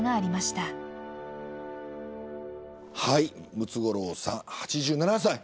ムツゴロウさん８７歳。